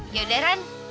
ya udah ran